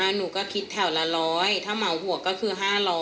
หนูก็คิดแถวละ๑๐๐ถ้าเหมาหัวก็คือ๕๐๐